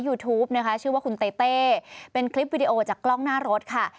ยูทูปนะคะชื่อว่าคุณเต้เต้เป็นคลิปวิดีโอจากกล้องหน้ารถค่ะ